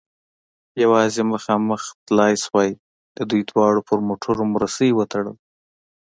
یوازې مخامخ تلای شوای، د دوی دواړو پر موټرو مو رسۍ و تړل.